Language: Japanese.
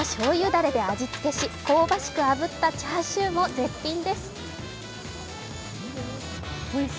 だれで味つけし、香ばしくあぶったチャーシューも絶品です。